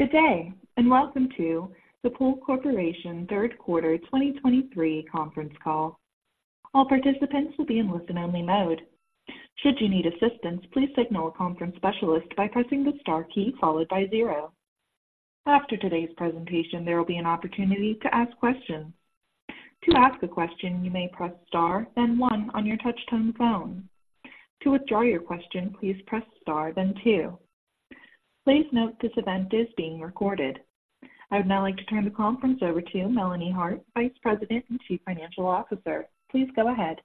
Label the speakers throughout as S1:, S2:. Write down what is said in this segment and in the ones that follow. S1: Good day, and welcome to the Pool Corporation Third Quarter 2023 Conference Call. All participants will be in listen-only mode. Should you need assistance, please signal a conference specialist by pressing the star key followed by zero. After today's presentation, there will be an opportunity to ask questions. To ask a question, you may press Star, then one on your touchtone phone. To withdraw your question, please press Star, then two. Please note this event is being recorded. I would now like to turn the conference over to Melanie Hart, Vice President and Chief Financial Officer. Please go ahead.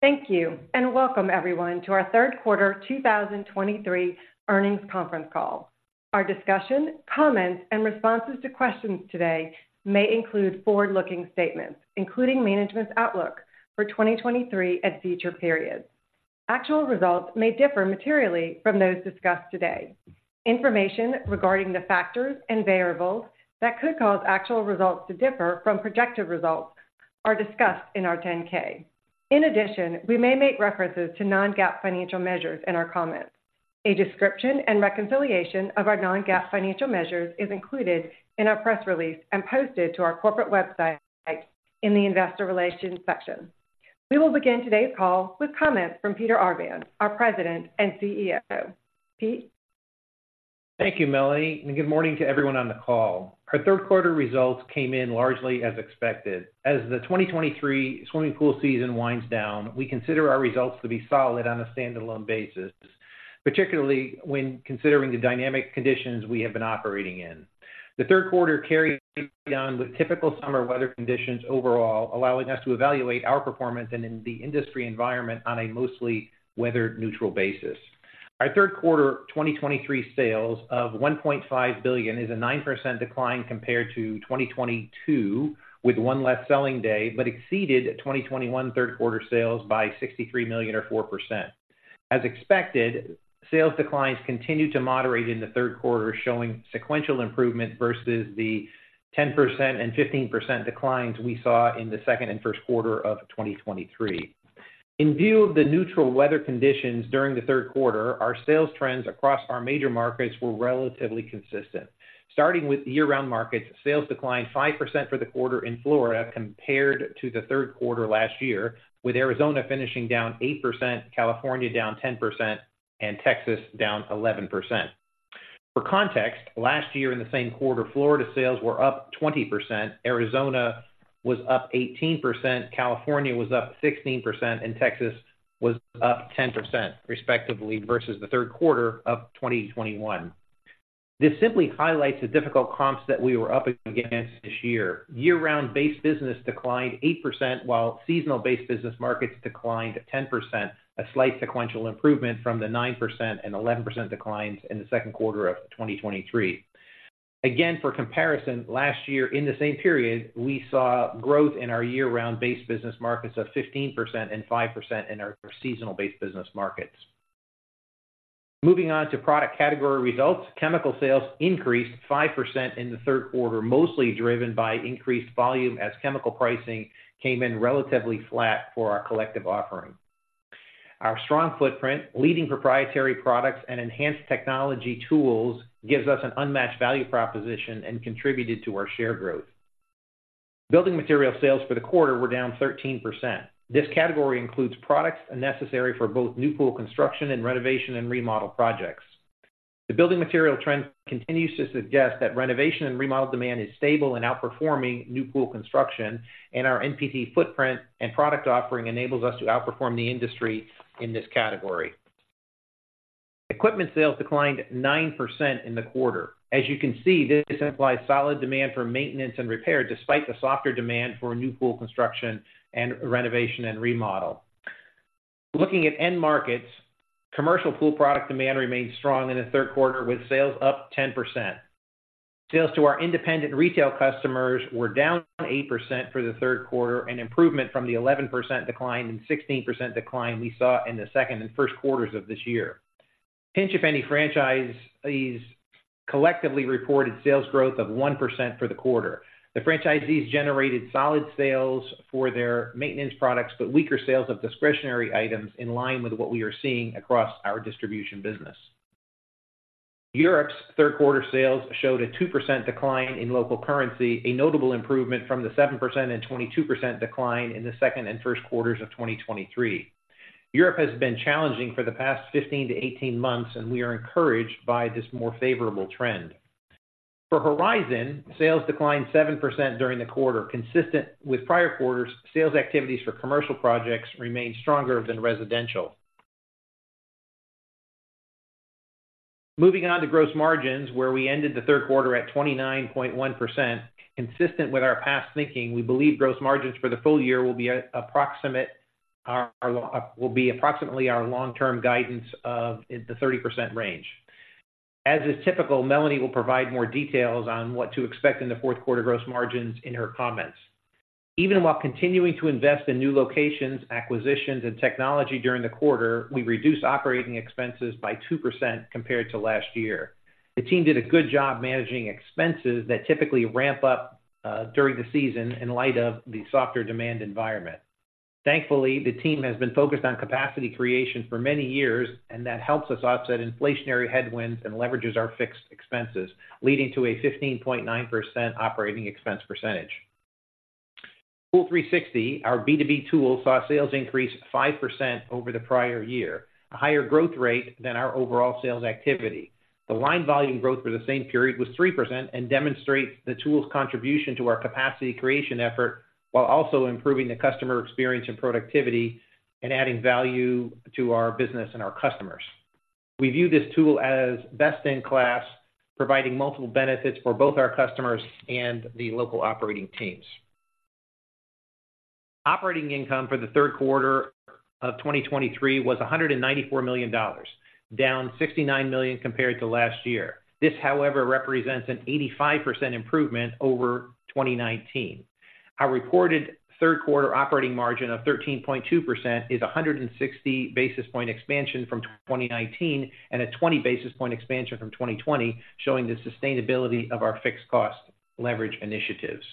S2: Thank you, and welcome everyone to our Third Quarter 2023 Earnings Conference Call. Our discussion, comments, and responses to questions today may include forward-looking statements, including management's outlook for 2023 and future periods. Actual results may differ materially from those discussed today. Information regarding the factors and variables that could cause actual results to differ from projected results are discussed in our 10-K. In addition, we may make references to non-GAAP financial measures in our comments. A description and reconciliation of our non-GAAP financial measures is included in our press release and posted to our corporate website in the Investor Relations section. We will begin today's call with comments from Peter Arvan, our President and CEO. Peter?
S3: Thank you, Melanie, and good morning to everyone on the call. Our third quarter results came in largely as expected. As the 2023 swimming pool season winds down, we consider our results to be solid on a standalone basis, particularly when considering the dynamic conditions we have been operating in. The third quarter carried on with typical summer weather conditions overall, allowing us to evaluate our performance and in the industry environment on a mostly weather-neutral basis. Our third quarter 2023 sales of $1.5 billion is a 9% decline compared to 2022, with one less selling day, but exceeded 2021 third quarter sales by $63 million or 4%. As expected, sales declines continued to moderate in the third quarter, showing sequential improvement versus the 10% and 15% declines we saw in the second and first quarter of 2023. In view of the neutral weather conditions during the third quarter, our sales trends across our major markets were relatively consistent. Starting with year-round markets, sales declined 5% for the quarter in Florida compared to the third quarter last year, with Arizona finishing down 8%, California down 10%, and Texas down 11%. For context, last year in the same quarter, Florida sales were up 20%, Arizona was up 18%, California was up 16%, and Texas was up 10%, respectively, versus the third quarter of 2021. This simply highlights the difficult comps that we were up against this year. Year-round base business declined 8%, while seasonal-based business markets declined 10%, a slight sequential improvement from the 9% and 11% declines in the second quarter of 2023. Again, for comparison, last year in the same period, we saw growth in our year-round base business markets of 15% and 5% in our seasonal-based business markets. Moving on to product category results. Chemical sales increased 5% in the third quarter, mostly driven by increased volume as chemical pricing came in relatively flat for our collective offering. Our strong footprint, leading proprietary products, and enhanced technology tools gives us an unmatched value proposition and contributed to our share growth. Building material sales for the quarter were down 13%. This category includes products necessary for both new pool construction and renovation and remodel projects. The building material trend continues to suggest that renovation and remodel demand is stable and outperforming new pool construction, and our NPT footprint and product offering enables us to outperform the industry in this category. Equipment sales declined 9% in the quarter. As you can see, this implies solid demand for maintenance and repair, despite the softer demand for new pool construction and renovation and remodel. Looking at end markets, commercial pool product demand remained strong in the third quarter, with sales up 10%. Sales to our independent retail customers were down 8% for the third quarter, an improvement from the 11% decline and 16% decline we saw in the second and first quarters of this year. Pinch A Penny franchisees collectively reported sales growth of 1% for the quarter. The franchisees generated solid sales for their maintenance products, but weaker sales of discretionary items in line with what we are seeing across our distribution business. Europe's third quarter sales showed a 2% decline in local currency, a notable improvement from the 7% and 22% decline in the second and first quarters of 2023. Europe has been challenging for the past 15 to 18 months, and we are encouraged by this more favorable trend. For Horizon, sales declined 7% during the quarter. Consistent with prior quarters, sales activities for commercial projects remained stronger than residential. Moving on to gross margins, where we ended the third quarter at 29.1%. Consistent with our past thinking, we believe gross margins for the full year will be approximately our long-term guidance of the 30% range. As is typical, Melanie will provide more details on what to expect in the fourth quarter gross margins in her comments. Even while continuing to invest in new locations, acquisitions, and technology during the quarter, we reduced operating expenses by 2% compared to last year. The team did a good job managing expenses that typically ramp up during the season in light of the softer demand environment. Thankfully, the team has been focused on capacity creation for many years, and that helps us offset inflationary headwinds and leverages our fixed expenses, leading to a 15.9% operating expense percentage. POOL360, our B2B tool, saw sales increase 5% over the prior year, a higher growth rate than our overall sales activity. The line volume growth for the same period was 3% and demonstrates the tool's contribution to our capacity creation effort, while also improving the customer experience and productivity, and adding value to our business and our customers. We view this tool as best in class, providing multiple benefits for both our customers and the local operating teams. Operating income for the third quarter of 2023 was $194 million, down $69 million compared to last year. This, however, represents an 85% improvement over 2019. Our reported third quarter operating margin of 13.2% is a 160 basis point expansion from 2019 and a 20 basis point expansion from 2020, showing the sustainability of our fixed cost leverage initiatives.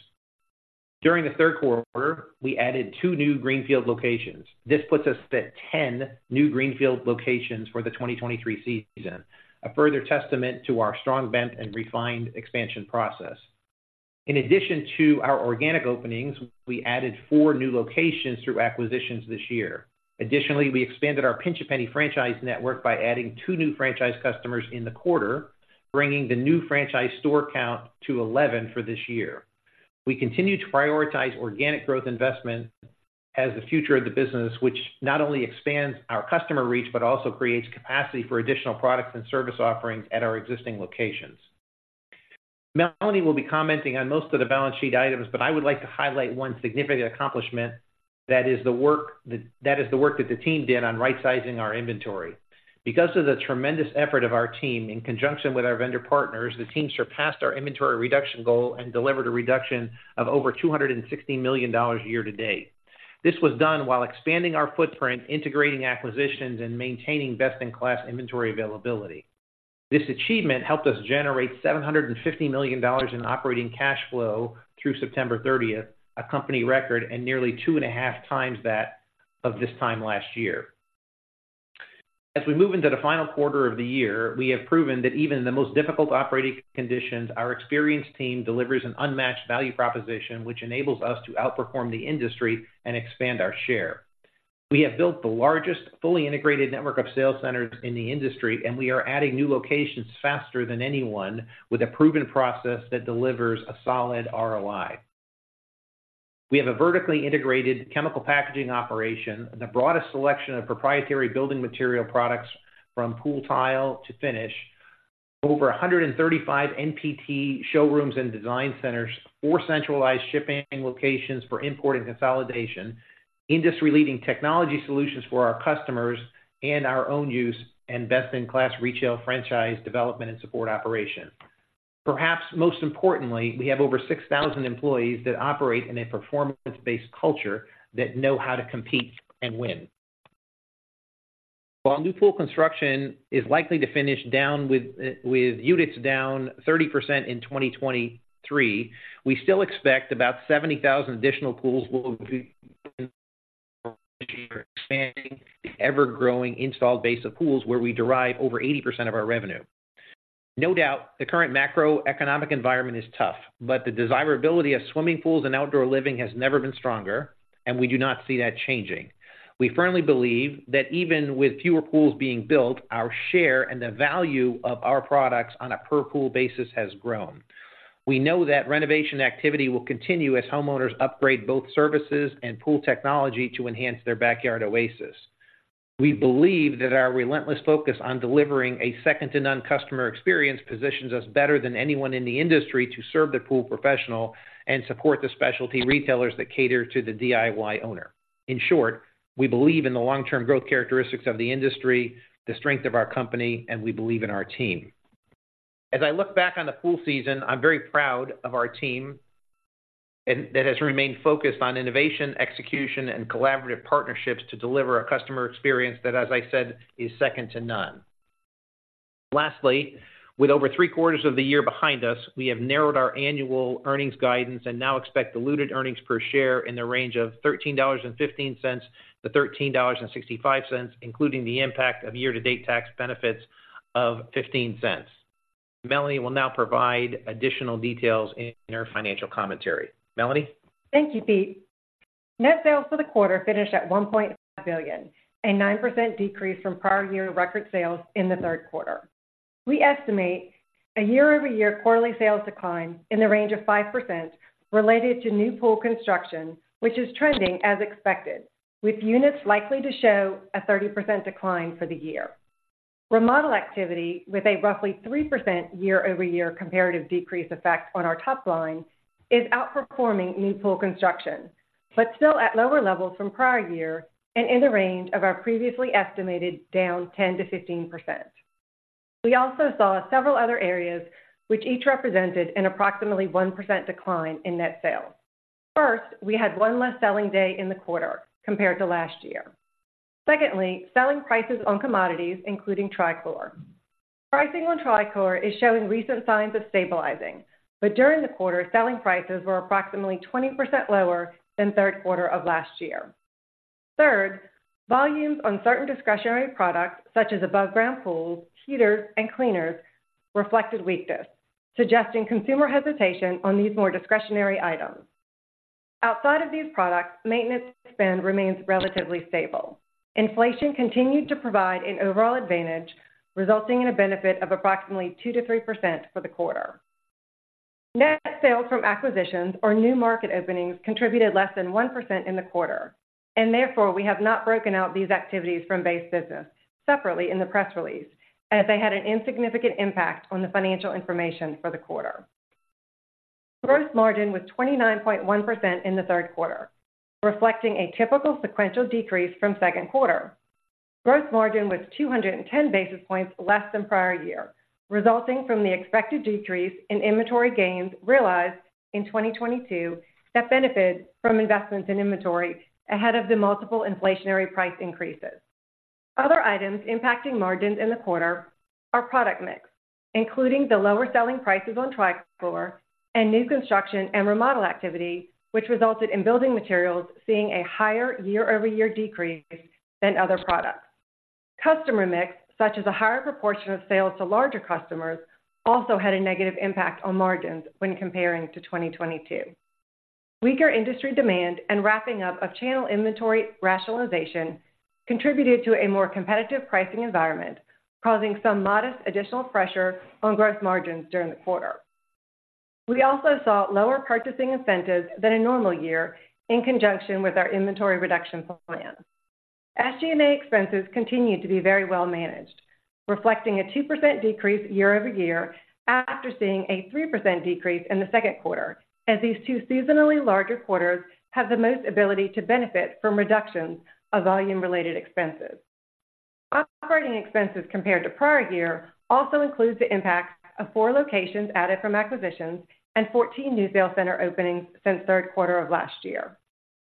S3: During the third quarter, we added two new greenfield locations. This puts us at 10 new greenfield locations for the 2023 season, a further testament to our strong brand and refined expansion process. In addition to our organic openings, we added four new locations through acquisitions this year. Additionally, we expanded our Pinch A Penny franchise network by adding two new franchise customers in the quarter, bringing the new franchise store count to 11 for this year. We continue to prioritize organic growth investment as the future of the business, which not only expands our customer reach, but also creates capacity for additional products and service offerings at our existing locations. Melanie will be commenting on most of the balance sheet items, but I would like to highlight one significant accomplishment. That is the work that the team did on right-sizing our inventory. Because of the tremendous effort of our team in conjunction with our vendor partners, the team surpassed our inventory reduction goal and delivered a reduction of over $260 million year to date. This was done while expanding our footprint, integrating acquisitions, and maintaining best-in-class inventory availability. This achievement helped us generate $750 million in operating cash flow through September 30th, a company record, and nearly 2.5 times that of this time last year. As we move into the final quarter of the year, we have proven that even in the most difficult operating conditions, our experienced team delivers an unmatched value proposition, which enables us to outperform the industry and expand our share. We have built the largest, fully integrated network of sales centers in the industry, and we are adding new locations faster than anyone with a proven process that delivers a solid ROI. We have a vertically integrated chemical packaging operation and the broadest selection of proprietary building material products, from pool tile to finish, over 135 NPT showrooms and design centers, four centralized shipping locations for import and consolidation, industry-leading technology solutions for our customers and our own use, and best-in-class retail franchise development and support operations. Perhaps most importantly, we have over 6,000 employees that operate in a performance-based culture that know how to compete and win. While new pool construction is likely to finish down with units down 30% in 2023, we still expect about 70,000 additional pools will be expanding the ever-growing installed base of pools, where we derive over 80% of our revenue. No doubt, the current macroeconomic environment is tough, but the desirability of swimming pools and outdoor living has never been stronger, and we do not see that changing. We firmly believe that even with fewer pools being built, our share and the value of our products on a per-pool basis has grown. We know that renovation activity will continue as homeowners upgrade both services and pool technology to enhance their backyard oasis. We believe that our relentless focus on delivering a second-to-none customer experience positions us better than anyone in the industry to serve the pool professional and support the specialty retailers that cater to the DIY owner. In short, we believe in the long-term growth characteristics of the industry, the strength of our company, and we believe in our team. As I look back on the pool season, I'm very proud of our team that has remained focused on innovation, execution, and collaborative partnerships to deliver a customer experience that, as I said, is second to none. Lastly, with over three-quarters of the year behind us, we have narrowed our annual earnings guidance and now expect diluted earnings per share in the range of $13.15-$13.65, including the impact of year-to-date tax benefits of $0.15. Melanie will now provide additional details in her financial commentary. Melanie?
S2: Thank you, Peter. Net sales for the quarter finished at $1.5 billion, a 9% decrease from prior year record sales in the third quarter. We estimate a year-over-year quarterly sales decline in the range of 5%, related to new pool construction, which is trending as expected, with units likely to show a 30% decline for the year. Remodel activity, with a roughly 3% year-over-year comparative decrease effect on our top line, is outperforming new pool construction, but still at lower levels from prior year and in the range of our previously estimated down 10%-15%. We also saw several other areas which each represented an approximately 1% decline in net sales. First, we had one less selling day in the quarter compared to last year. Secondly, selling prices on commodities, including trichlor. Pricing on trichlor is showing recent signs of stabilizing, but during the quarter, selling prices were approximately 20% lower than third quarter of last year. Third, volumes on certain discretionary products, such as above ground pools, heaters, and cleaners, reflected weakness, suggesting consumer hesitation on these more discretionary items. Outside of these products, maintenance spend remains relatively stable. Inflation continued to provide an overall advantage, resulting in a benefit of approximately 2%-3% for the quarter. Net sales from acquisitions or new market openings contributed less than 1% in the quarter, and therefore, we have not broken out these activities from base business separately in the press release, as they had an insignificant impact on the financial information for the quarter. Gross margin was 29.1% in the third quarter, reflecting a typical sequential decrease from second quarter. Gross margin was 210 basis points less than prior year, resulting from the expected decrease in inventory gains realized in 2022, that benefit from investments in inventory ahead of the multiple inflationary price increases. Other items impacting margins in the quarter are product mix, including the lower selling prices on trichlor and new construction and remodel activity, which resulted in building materials seeing a higher year-over-year decrease than other products. Customer mix, such as a higher proportion of sales to larger customers, also had a negative impact on margins when comparing to 2022. Weaker industry demand and wrapping up of channel inventory rationalization contributed to a more competitive pricing environment, causing some modest additional pressure on gross margins during the quarter. We also saw lower purchasing incentives than a normal year in conjunction with our inventory reduction plan. SG&A expenses continued to be very well managed, reflecting a 2% decrease year-over-year, after seeing a 3% decrease in the second quarter, as these two seasonally larger quarters have the most ability to benefit from reductions of volume-related expenses. Operating expenses compared to prior year also includes the impact of four locations added from acquisitions and 14 new sales center openings since third quarter of last year.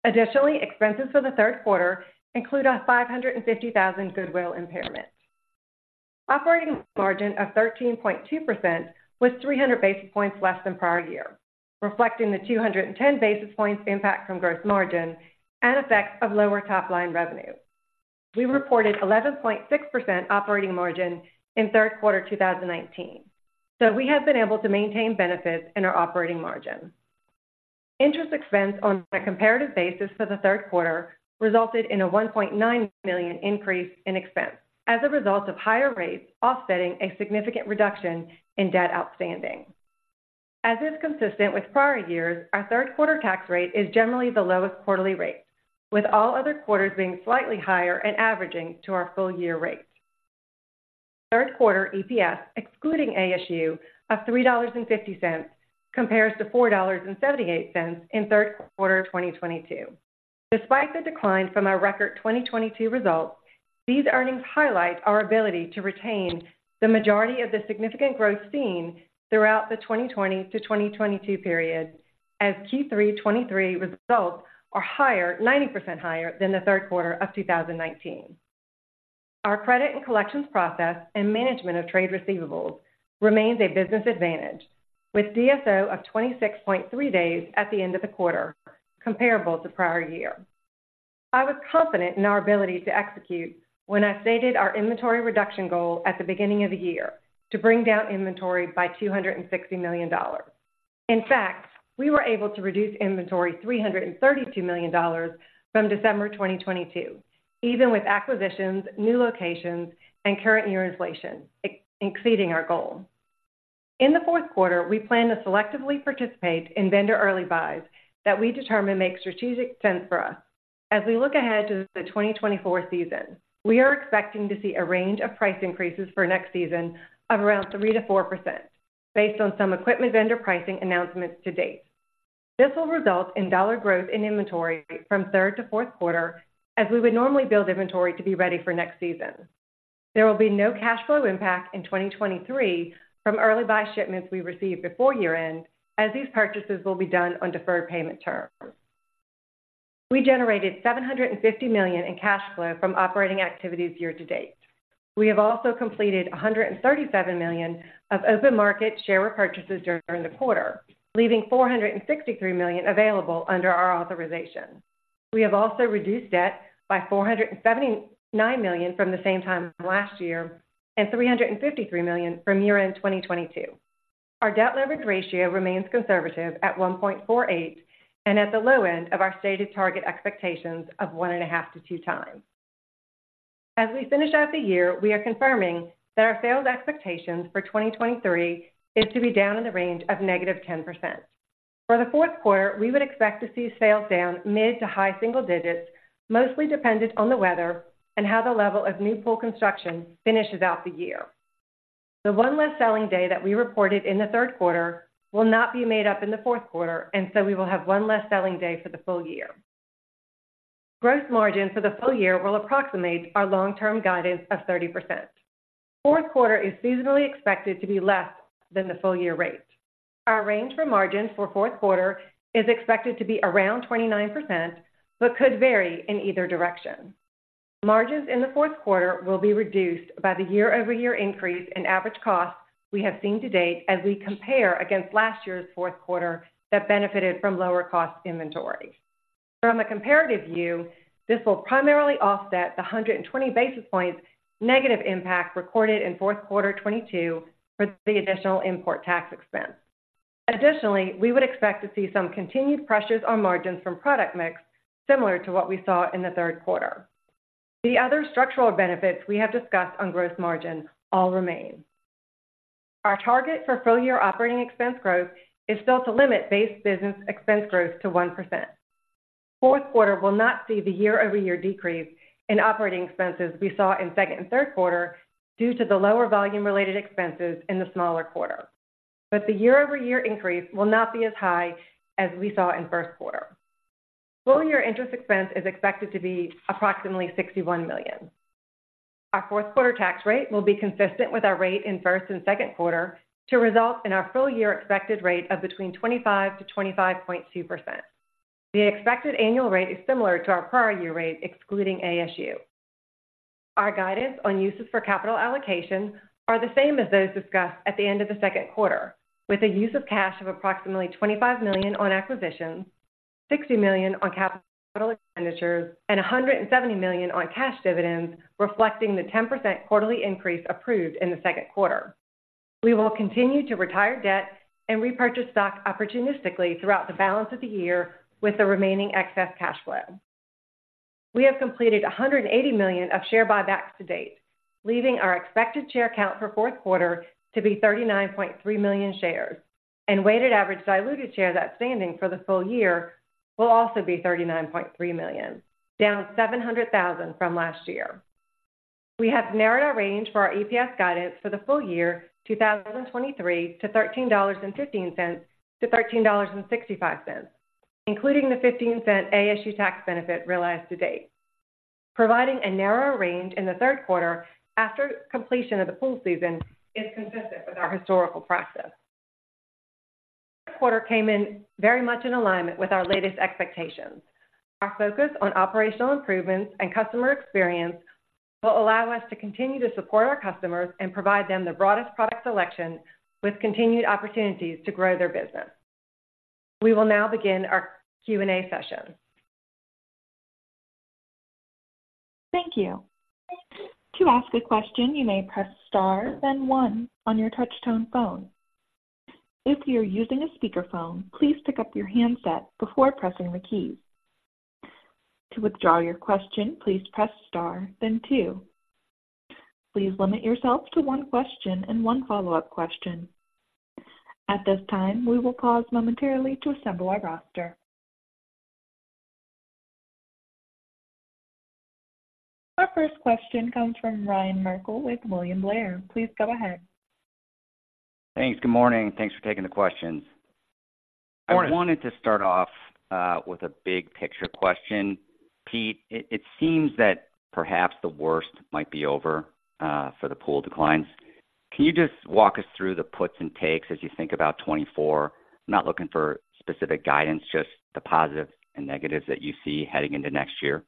S2: Additionally, expenses for the third quarter include a $550,000 goodwill impairment. Operating margin of 13.2% was 300 basis points less than prior year, reflecting the 210 basis points impact from gross margin and effects of lower top-line revenue. We reported 11.6% operating margin in third quarter 2019, so we have been able to maintain benefits in our operating margin. Interest expense on a comparative basis for the third quarter resulted in a $1.9 million increase in expense as a result of higher rates offsetting a significant reduction in debt outstanding. As is consistent with prior years, our third quarter tax rate is generally the lowest quarterly rate, with all other quarters being slightly higher and averaging to our full year rate. Third quarter EPS, excluding ASU, of $3.50, compares to $4.78 in third quarter of 2022. Despite the decline from our record 2022 results, these earnings highlight our ability to retain the majority of the significant growth seen throughout the 2020 to 2022 period, as Q3 2023 results are higher, 90% higher than the third quarter of 2019. Our credit and collections process and management of trade receivables remains a business advantage, with DSO of 26.3 days at the end of the quarter, comparable to prior year. I was confident in our ability to execute when I stated our inventory reduction goal at the beginning of the year to bring down inventory by $260 million. In fact, we were able to reduce inventory $332 million from December 2022, even with acquisitions, new locations, and current year inflation, exceeding our goal. In the fourth quarter, we plan to selectively participate in vendor early buys that we determine make strategic sense for us. As we look ahead to the 2024 season, we are expecting to see a range of price increases for next season of around 3%-4%, based on some equipment vendor pricing announcements to date. This will result in dollar growth in inventory from third to fourth quarter as we would normally build inventory to be ready for next season. There will be no cash flow impact in 2023 from early buy shipments we received before year-end, as these purchases will be done on deferred payment terms. We generated $750 million in cash flow from operating activities year to date. We have also completed $137 million of open market share repurchases during the quarter, leaving $463 million available under our authorization. We have also reduced debt by $479 million from the same time last year and $353 million from year-end 2022. Our debt leverage ratio remains conservative at 1.48 and at the low end of our stated target expectations of 1.5-2 times. As we finish out the year, we are confirming that our sales expectations for 2023 is to be down in the range of -10%. For the fourth quarter, we would expect to see sales down mid- to high-single digits, mostly dependent on the weather and how the level of new pool construction finishes out the year. The one less selling day that we reported in the third quarter will not be made up in the fourth quarter, and so we will have one less selling day for the full year. Gross margin for the full year will approximate our long-term guidance of 30%. The fourth quarter is seasonally expected to be less than the full year rate. Our range for margins for fourth quarter is expected to be around 29%, but could vary in either direction. Margins in the fourth quarter will be reduced by the year-over-year increase in average costs we have seen to date as we compare against last year's fourth quarter that benefited from lower cost inventory. From a comparative view, this will primarily offset the 120 basis points negative impact recorded in fourth quarter 2022 for the additional import tax expense. Additionally, we would expect to see some continued pressures on margins from product mix, similar to what we saw in the third quarter. The other structural benefits we have discussed on gross margin all remain. Our target for full-year operating expense growth is still to limit base business expense growth to 1%. Fourth quarter will not see the year-over-year decrease in operating expenses we saw in second and third quarter due to the lower volume-related expenses in the smaller quarter. But the year-over-year increase will not be as high as we saw in first quarter. Full-year interest expense is expected to be approximately $61 million. Our fourth quarter tax rate will be consistent with our rate in first and second quarter to result in our full year expected rate of between 25%-25.2%. The expected annual rate is similar to our prior year rate, excluding ASU. Our guidance on uses for capital allocation are the same as those discussed at the end of the second quarter, with a use of cash of approximately $25 million on acquisitions, $60 million on capital expenditures, and $170 million on cash dividends, reflecting the 10% quarterly increase approved in the second quarter. We will continue to retire debt and repurchase stock opportunistically throughout the balance of the year with the remaining excess cash flow. We have completed $180 million of share buybacks to date, leaving our expected share count for fourth quarter to be 39.3 million shares, and weighted average diluted shares outstanding for the full year will also be 39.3 million, down 700,000 from last year. We have narrowed our range for our EPS guidance for the full year 2023 to $13.15-$13.65, including the $0.15 ASU tax benefit realized to date. Providing a narrower range in the third quarter after completion of the pool season is consistent with our historical practice. Quarter came in very much in alignment with our latest expectations. Our focus on operational improvements and customer experience will allow us to continue to support our customers and provide them the broadest product selection with continued opportunities to grow their business. We will now begin our Q&A session.
S1: Thank you. To ask a question, you may press star, then one on your touchtone phone. If you're using a speakerphone, please pick up your handset before pressing the keys. To withdraw your question, please press star then two. Please limit yourself to one question and one follow-up question. At this time, we will pause momentarily to assemble our roster. Our first question comes from Ryan Merkel with William Blair. Please go ahead.
S4: Thanks. Good morning. Thanks for taking the questions.
S3: Good morning.
S4: I wanted to start off with a big picture question. Peter, it seems that perhaps the worst might be over for the pool declines. Can you just walk us through the puts and takes as you think about 2024? I'm not looking for specific guidance, just the positives and negatives that you see heading into next year.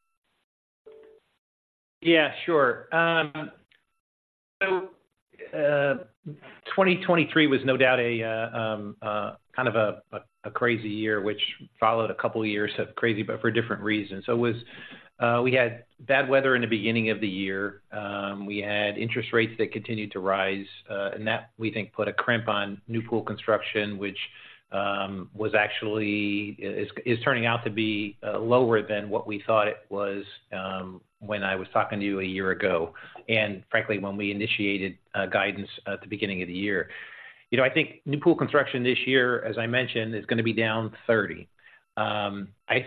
S3: Yeah, sure. So, 2023 was no doubt a kind of a crazy year, which followed a couple of years of crazy, but for different reasons. So it was, we had bad weather in the beginning of the year. We had interest rates that continued to rise, and that, we think, put a crimp on new pool construction, which was actually is turning out to be lower than what we thought it was, when I was talking to you a year ago, and frankly, when we initiated guidance at the beginning of the year. You know, I think new pool construction this year, as I mentioned, is gonna be down 30. I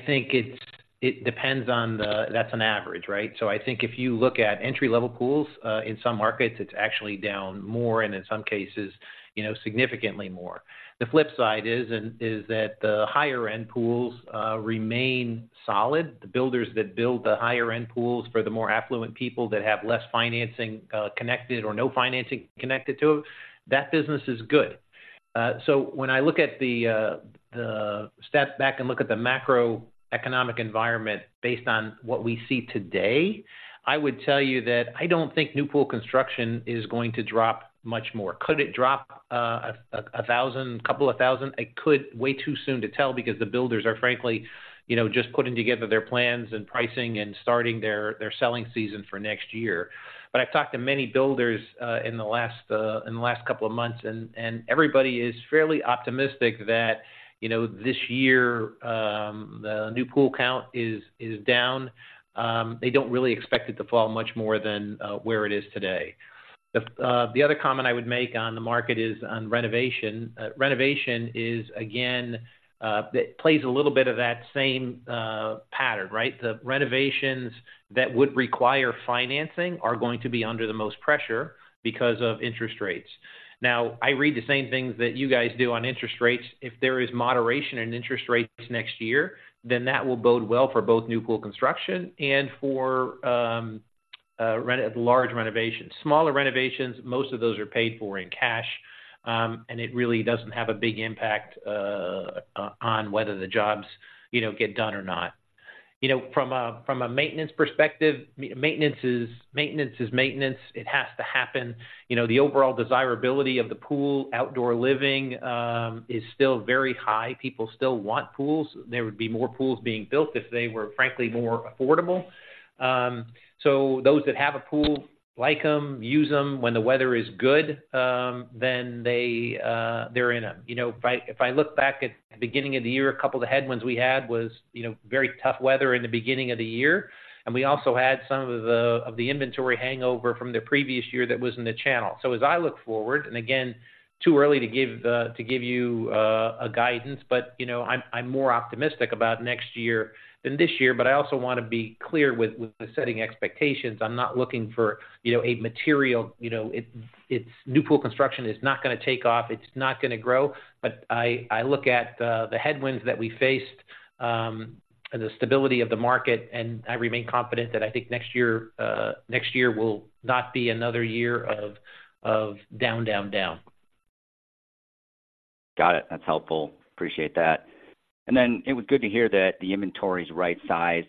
S3: think it's it depends on the that's on average, right? So I think if you look at entry-level pools in some markets, it's actually down more, and in some cases, you know, significantly more. The flip side is that the higher-end pools remain solid. The builders that build the higher-end pools for the more affluent people that have less financing connected or no financing connected to them, that business is good. So when I look at the step back and look at the macroeconomic environment based on what we see today, I would tell you that I don't think new pool construction is going to drop much more. Could it drop a 1,000, couple of thousand? It could. Way too soon to tell because the builders are, frankly, you know, just putting together their plans and pricing and starting their selling season for next year. But I've talked to many builders in the last couple of months, and everybody is fairly optimistic that, you know, this year the new pool count is down. They don't really expect it to fall much more than where it is today. The other comment I would make on the market is on renovation. Renovation is, again, it plays a little bit of that same pattern, right? The renovations that would require financing are going to be under the most pressure because of interest rates. Now, I read the same things that you guys do on interest rates. If there is moderation in interest rates next year, then that will bode well for both new pool construction and for large renovations. Smaller renovations, most of those are paid for in cash, and it really doesn't have a big impact on whether the jobs, you know, get done or not. You know, from a maintenance perspective, maintenance is maintenance. It has to happen. You know, the overall desirability of the pool, outdoor living, is still very high. People still want pools. There would be more pools being built if they were, frankly, more affordable. So those that have a pool, like them, use them when the weather is good, then they, they're in them. You know, if I look back at the beginning of the year, a couple of the headwinds we had was, you know, very tough weather in the beginning of the year, and we also had some of the inventory hangover from the previous year that was in the channel. So as I look forward, and again, too early to give you a guidance, but, you know, I'm more optimistic about next year than this year, but I also wanna be clear with the setting expectations. I'm not looking for, you know, a material, you know it's new pool construction is not gonna take off. It's not gonna grow, but I, I look at the, the headwinds that we faced, and the stability of the market, and I remain confident that I think next year, next year will not be another year of down, down, down.
S4: Got it. That's helpful. Appreciate that. And then it was good to hear that the inventory is right-sized.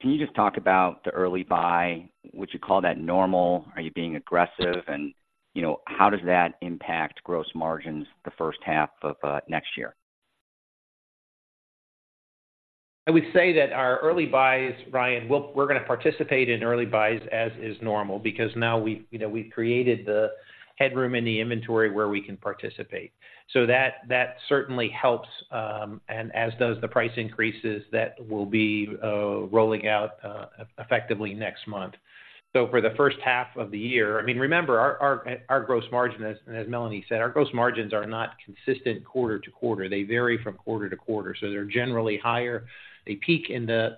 S4: Can you just talk about the early buy? Would you call that normal? Are you being aggressive? And, you know, how does that impact gross margins the first half of next year?
S3: I would say that our early buys, Ryan, we're gonna participate in early buys as is normal, because now we've, you know, we've created the headroom in the inventory where we can participate. So that certainly helps, and as does the price increases that will be rolling out effectively next month. So for the first half of the year I mean, remember, our gross margin, as Melanie said, our gross margins are not consistent quarter to quarter. They vary from quarter to quarter, so they're generally higher. They peak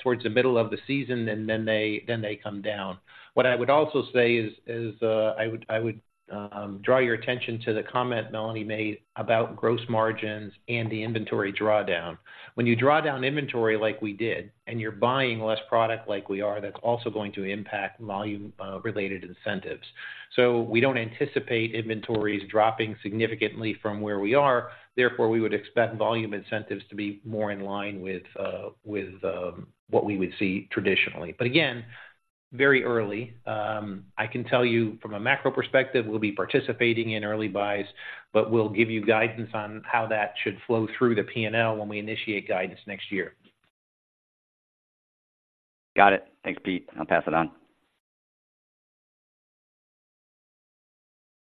S3: towards the middle of the season, and then they come down. What I would also say is I would draw your attention to the comment Melanie made about gross margins and the inventory drawdown. When you draw down inventory like we did, and you're buying less product like we are, that's also going to impact volume related incentives. So we don't anticipate inventories dropping significantly from where we are. Therefore, we would expect volume incentives to be more in line with what we would see traditionally. But again, very early. I can tell you from a macro perspective, we'll be participating in early buys, but we'll give you guidance on how that should flow through the P&L when we initiate guidance next year.
S4: Got it. Thanks, Peter. I'll pass it on.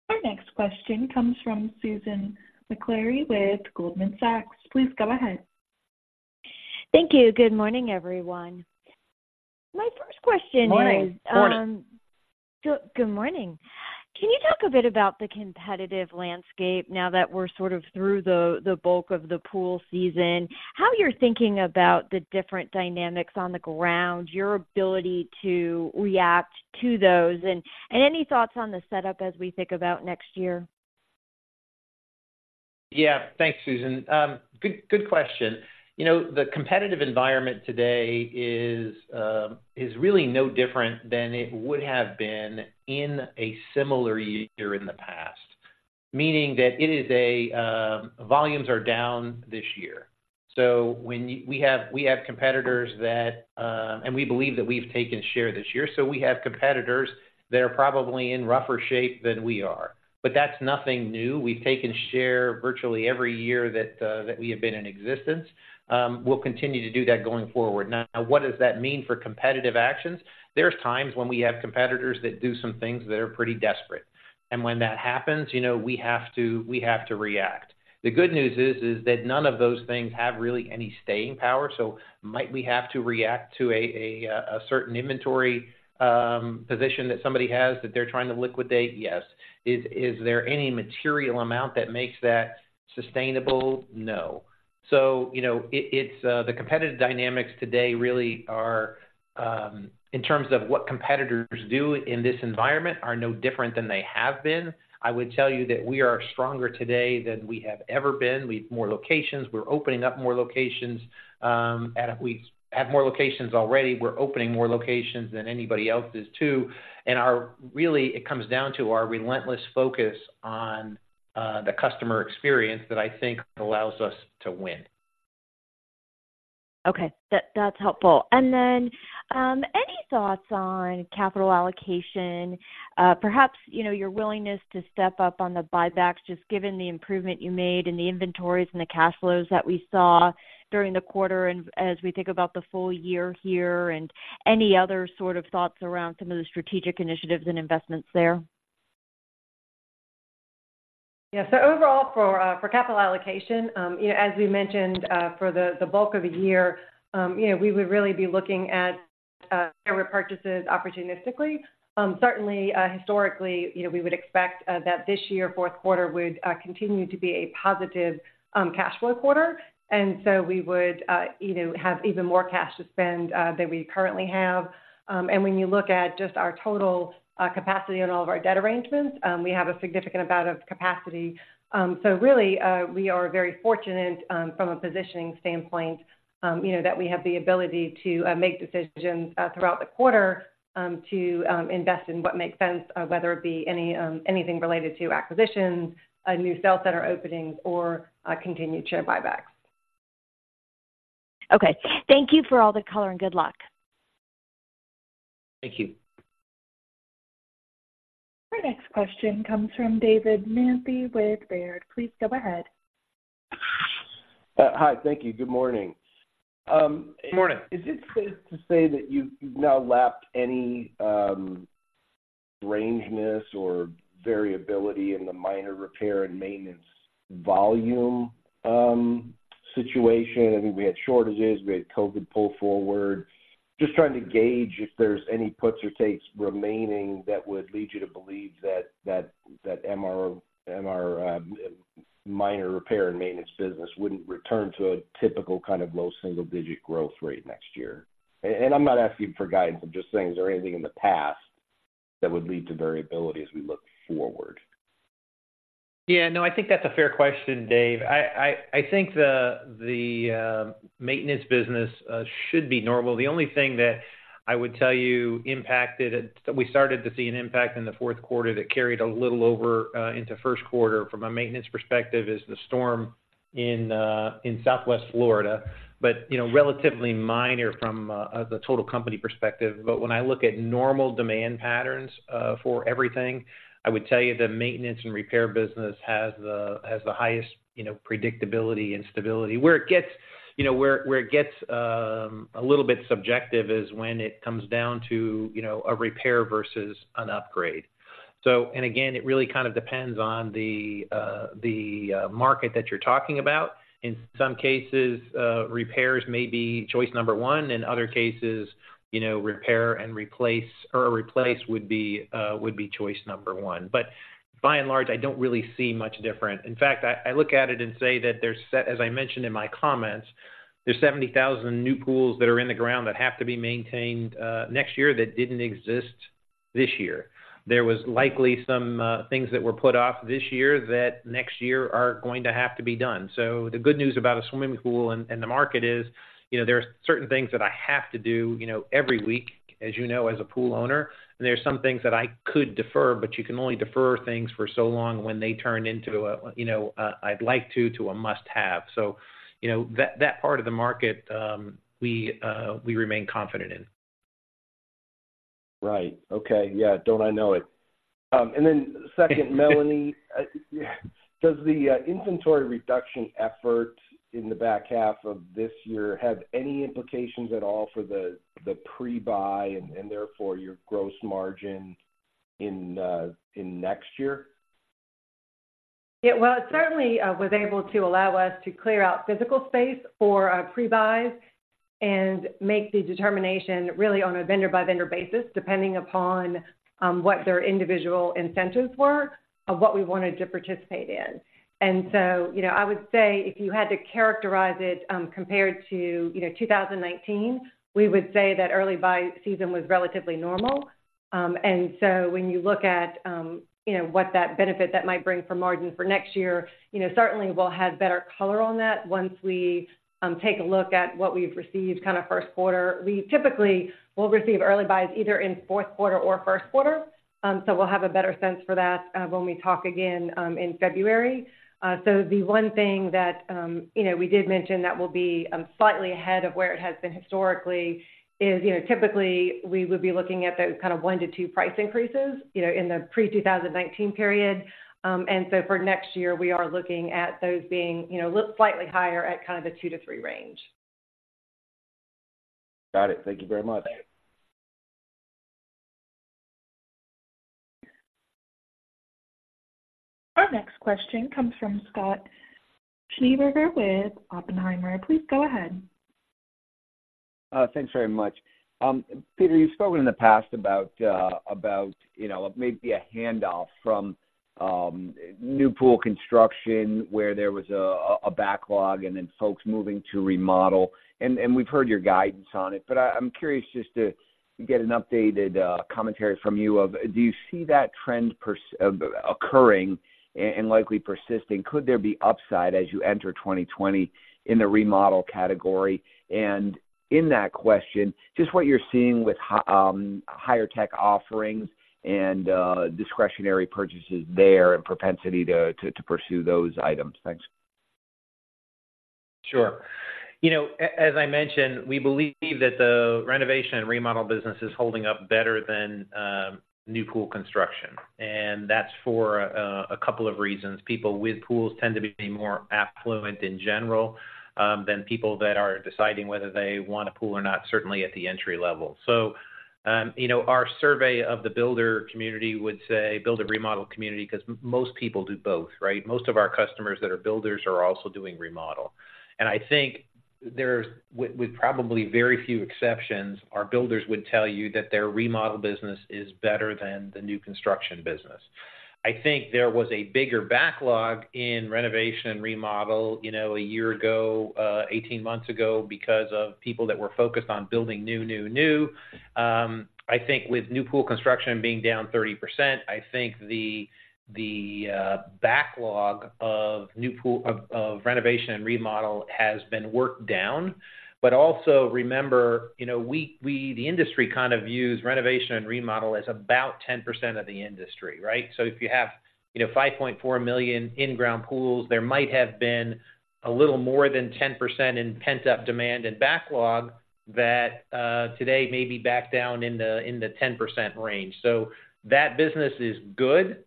S1: Our next question comes from Susan Maklari with Goldman Sachs. Please go ahead.
S5: Thank you. Good morning, everyone. My first question is
S3: Morning. Morning.
S5: Good morning. Can you talk a bit about the competitive landscape now that we're sort of through the bulk of the pool season? How you're thinking about the different dynamics on the ground, your ability to react to those, and any thoughts on the setup as we think about next year?
S3: Yeah. Thanks, Susan. Good, good question. You know, the competitive environment today is really no different than it would have been in a similar year in the past. Meaning that volumes are down this year. We have competitors, and we believe that we've taken share this year, so we have competitors that are probably in rougher shape than we are, but that's nothing new. We've taken share virtually every year that we have been in existence. We'll continue to do that going forward. Now, what does that mean for competitive actions? There's times when we have competitors that do some things that are pretty desperate, and when that happens, you know, we have to react. The good news is that none of those things have really any staying power, so might we have to react to a certain inventory position that somebody has, that they're trying to liquidate? Yes. Is there any material amount that makes that sustainable? No. So, you know, the competitive dynamics today really are, in terms of what competitors do in this environment, no different than they have been. I would tell you that we are stronger today than we have ever been. We've more locations. We're opening up more locations. And we have more locations already. We're opening more locations than anybody else is, too. And our, really, it comes down to our relentless focus on the customer experience that I think allows us to win.
S5: Okay. That, that's helpful. And then, any thoughts on capital allocation? Perhaps, you know, your willingness to step up on the buybacks, just given the improvement you made in the inventories and the cash flows that we saw during the quarter and as we think about the full year here, and any other sort of thoughts around some of the strategic initiatives and investments there?
S2: Yeah. So overall, for capital allocation, you know, as we mentioned, for the bulk of the year, you know, we would really be looking at share repurchases opportunistically. Certainly, historically, you know, we would expect that this year, fourth quarter, would continue to be a positive cash flow quarter. And so we would, you know, have even more cash to spend than we currently have. And when you look at just our total capacity on all of our debt arrangements, we have a significant amount of capacity. So really, we are very fortunate from a positioning standpoint, you know, that we have the ability to make decisions throughout the quarter to invest in what makes sense, whether it be anything related to acquisitions, new sales center openings, or continued share buybacks.
S5: Okay. Thank you for all the color, and good luck.
S3: Thank you.
S1: Our next question comes from David Manthey with Baird. Please go ahead.
S6: Hi. Thank you. Good morning.
S3: Good morning.
S6: Is it safe to say that you've now lapped any strangeness or variability in the minor repair and maintenance volume situation? I think we had shortages. We had COVID pull forward. Just trying to gauge if there's any puts or takes remaining that would lead you to believe that MR minor repair and maintenance business wouldn't return to a typical kind of low single-digit growth rate next year. I'm not asking for guidance. I'm just saying, is there anything in the past that would lead to variability as we look forward?
S3: Yeah. No, I think that's a fair question, Dave. I think the maintenance business should be normal. The only thing that I would tell you impacted it, we started to see an impact in the fourth quarter that carried a little over into first quarter from a maintenance perspective, is the storm in Southwest Florida, but you know, relatively minor from a the total company perspective. But when I look at normal demand patterns for everything, I would tell you the maintenance and repair business has the highest you know, predictability and stability. Where it gets you know, where it gets a little bit subjective is when it comes down to you know, a repair versus an upgrade. So, and again, it really kind of depends on the market that you're talking about. In some cases, repairs may be choice number one. In other cases, you know, repair and replace or replace would be choice number one. But by and large, I don't really see much different. In fact, I look at it and say that as I mentioned in my comments, there's 70,000 new pools that are in the ground that have to be maintained next year, that didn't exist this year. There was likely some things that were put off this year that next year are going to have to be done. So the good news about a swimming pool and the market is, you know, there are certain things that I have to do, you know, every week, as you know, as a pool owner, and there are some things that I could defer, but you can only defer things for so long when they turn into a, you know, a, "I'd like to," to a must-have. So, you know, that, that part of the market, we remain confident in.
S6: Right. Okay. Yeah, don't I know it? And then second, Melanie, does the inventory reduction effort in the back half of this year have any implications at all for the pre-buy and therefore your gross margin in next year?
S2: Yeah, well, it certainly was able to allow us to clear out physical space for pre-buys and make the determination really on a vendor-by-vendor basis, depending upon what their individual incentives were of what we wanted to participate in. And so, you know, I would say, if you had to characterize it, compared to 2019, we would say that early buy season was relatively normal. And so when you look at you know, what that benefit that might bring for margin for next year, you know, certainly we'll have better color on that once we take a look at what we've received kind of first quarter. We typically will receive early buys either in fourth quarter or first quarter. So we'll have a better sense for that when we talk again in February. So the one thing that, you know, we did mention that will be slightly ahead of where it has been historically is, you know, typically we would be looking at those kind of one to two price increases, you know, in the pre-2019 period. And so for next year, we are looking at those being, you know, look slightly higher at kind of the two to three range.
S6: Got it. Thank you very much.
S1: Our next question comes from Scott Schneeberger with Oppenheimer. Please go ahead.
S7: Thanks very much. Peter, you've spoken in the past about, about, you know, maybe a handoff from new pool construction, where there was a backlog and then folks moving to remodel. And we've heard your guidance on it, but I'm curious just to get an updated commentary from you of, do you see that trend occurring and likely persisting? Could there be upside as you enter 2020 in the remodel category? And in that question, just what you're seeing with higher tech offerings and discretionary purchases there and propensity to pursue those items. Thanks.
S3: Sure. You know, as I mentioned, we believe that the renovation and remodel business is holding up better than, new pool construction, and that's for, a couple of reasons. People with pools tend to be more affluent in general, than people that are deciding whether they want a pool or not, certainly at the entry level. So, you know, our survey of the builder community would say, build a remodel community because most people do both, right? Most of our customers that are builders are also doing remodel. And I think there's, with, with probably very few exceptions, our builders would tell you that their remodel business is better than the new construction business. I think there was a bigger backlog in renovation and remodel, you know, a year ago, 18 months ago, because of people that were focused on building new. I think with new pool construction being down 30%, I think the backlog of renovation and remodel has been worked down. But also remember, you know, the industry kind of views renovation and remodel as about 10% of the industry, right? So if you have, you know, 5.4 million in-ground pools, there might have been a little more than 10% in pent-up demand and backlog that today may be back down in the 10% range. So that business is good.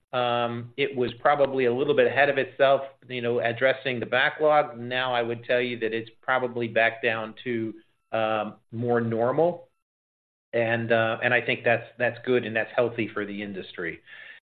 S3: It was probably a little bit ahead of itself, you know, addressing the backlog. Now, I would tell you that it's probably back down to more normal. I think that's good and that's healthy for the industry.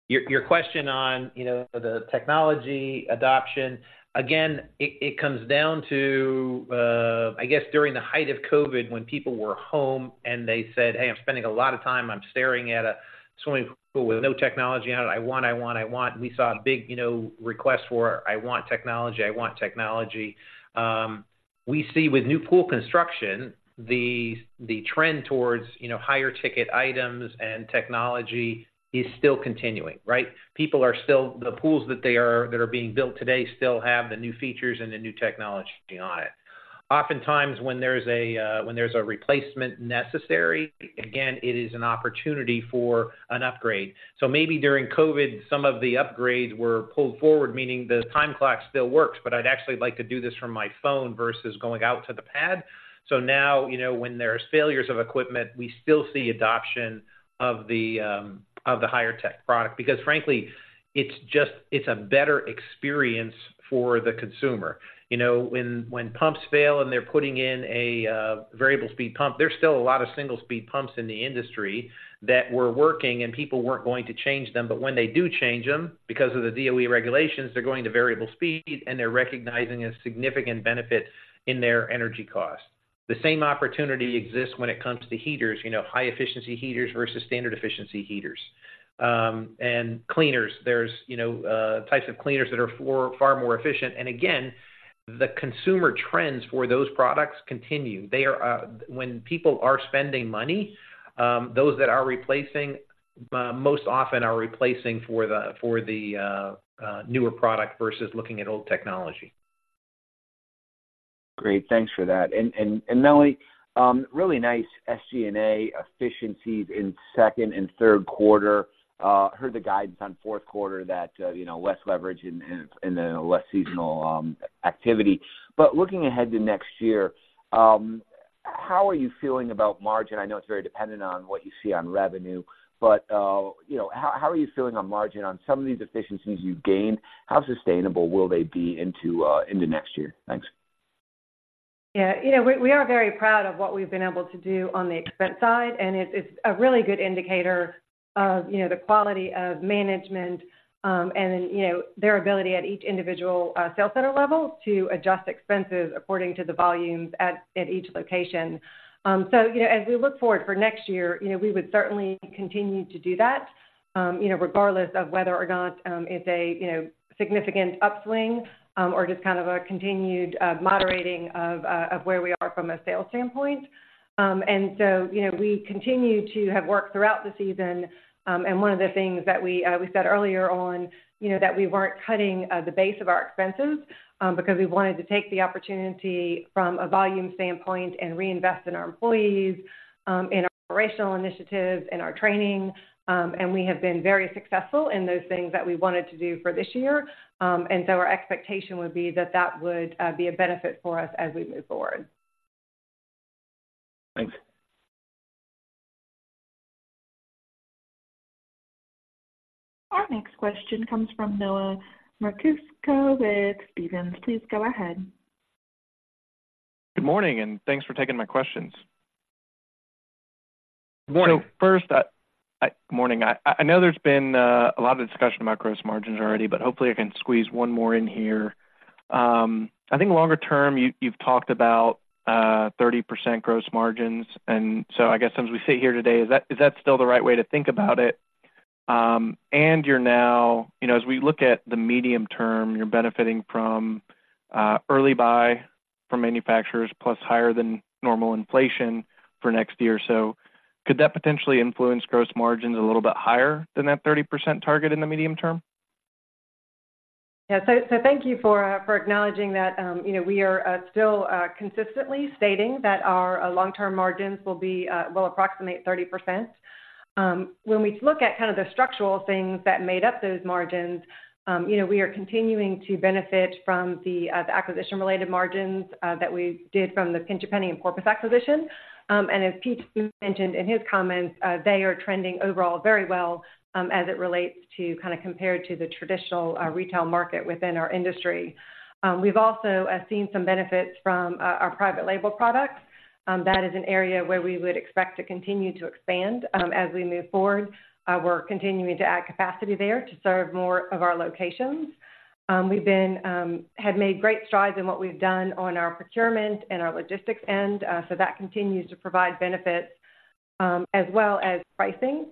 S3: Your question on, you know, the technology adoption, again, it comes down to, I guess, during the height of COVID, when people were home and they said, "Hey, I'm spending a lot of time, I'm staring at a swimming pool with no technology on it. I want, I want, I want." We saw a big, you know, request for, "I want technology. I want technology." We see with new pool construction, the trend towards, you know, higher ticket items and technology is still continuing, right? The pools that are being built today still have the new features and the new technology on it. Oftentimes, when there's a replacement necessary, again, it is an opportunity for an upgrade. So maybe during COVID, some of the upgrades were pulled forward, meaning the time clock still works, but I'd actually like to do this from my phone versus going out to the pad. So now, you know, when there's failures of equipment, we still see adoption of the higher tech product, because, frankly, it's just, it's a better experience for the consumer. You know, when pumps fail and they're putting in a variable speed pump, there's still a lot of single speed pumps in the industry that were working and people weren't going to change them, but when they do change them, because of the DOE regulations, they're going to variable speed, and they're recognizing a significant benefit in their energy cost. The same opportunity exists when it comes to heaters, you know, high efficiency heaters versus standard efficiency heaters. And cleaners, there's, you know, types of cleaners that are for far more efficient. And again, the consumer trends for those products continue. They are. When people are spending money, those that are replacing most often are replacing for the, for the, newer product versus looking at old technology.
S7: Great. Thanks for that. And Melanie, really nice SG&A efficiencies in second and third quarter. Heard the guidance on fourth quarter that, you know, less leverage and then less seasonal activity. But looking ahead to next year, how are you feeling about margin? I know it's very dependent on what you see on revenue, but, you know, how are you feeling on margin on some of these efficiencies you've gained? How sustainable will they be into next year? Thanks.
S2: Yeah, you know, we are very proud of what we've been able to do on the expense side, and it's a really good indicator of, you know, the quality of management, and, you know, their ability at each individual sales center level to adjust expenses according to the volumes at each location. So, you know, as we look forward for next year, you know, we would certainly continue to do that, you know, regardless of whether or not, it's a, you know, significant upswing, or just kind of a continued moderating of where we are from a sales standpoint. And so, you know, we continue to have worked throughout the season, and one of the things that we said earlier on, you know, that we weren't cutting the base of our expenses, because we wanted to take the opportunity from a volume standpoint and reinvest in our employees, in operational initiatives, in our training, and we have been very successful in those things that we wanted to do for this year. And so our expectation would be that that would be a benefit for us as we move forward.
S7: Thanks.
S1: Our next question comes from Noah Merkousko with Stephens. Please go ahead.
S8: Good morning, and thanks for taking my questions.
S2: Morning.
S9: So first, morning. I know there's been a lot of discussion about gross margins already, but hopefully I can squeeze one more in here. I think longer term, you've talked about 30% gross margins, and so I guess as we sit here today, is that still the right way to think about it? And you're now, you know, as we look at the medium term, you're benefiting from early buy from manufacturers, plus higher than normal inflation for next year. So could that potentially influence gross margins a little bit higher than that 30% target in the medium term?
S2: Yeah. So, so thank you for acknowledging that. You know, we are still consistently stating that our long-term margins will be, will approximate 30%. When we look at kind of the structural things that made up those margins, you know, we are continuing to benefit from the acquisition-related margins that we did from the Pinch A Penny and Porpoise acquisition. And as Peter mentioned in his comments, they are trending overall very well, as it relates to kind of compared to the traditional retail market within our industry. We've also seen some benefits from our private label products. That is an area where we would expect to continue to expand, as we move forward. We're continuing to add capacity there to serve more of our locations. We've made great strides in what we've done on our procurement and our logistics end, so that continues to provide benefits, as well as pricing.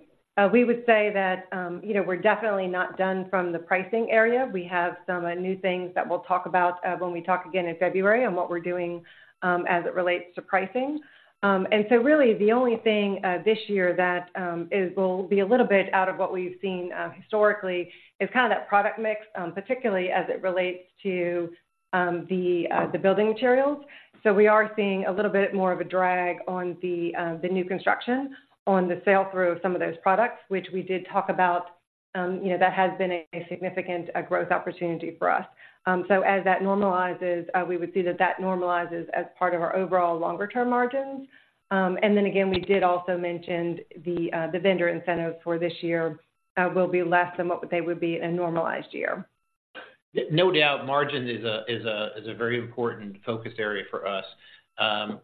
S2: We would say that, you know, we're definitely not done from the pricing area. We have some new things that we'll talk about when we talk again in February on what we're doing as it relates to pricing. And so really, the only thing this year that will be a little bit out of what we've seen historically is kind of that product mix, particularly as it relates to the building materials. So we are seeing a little bit more of a drag on the new construction on the sale through of some of those products, which we did talk about. You know, that has been a significant growth opportunity for us. So as that normalizes, we would see that that normalizes as part of our overall longer-term margins. And then again, we did also mention the the vendor incentives for this year will be less than what they would be in a normalized year.
S3: No doubt, margin is a very important focus area for us.